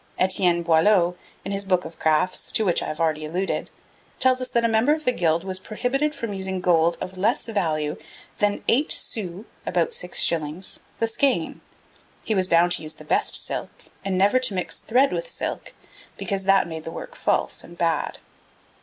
Etienne Boileau, in his book of crafts, to which I have already alluded, tells us that a member of the guild was prohibited from using gold of less value than 'eight sous (about 6s.) the skein; he was bound to use the best silk, and never to mix thread with silk, because that made the work false and bad.'